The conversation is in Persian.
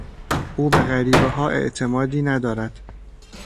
او به غریبهها اعتمادی ندارد.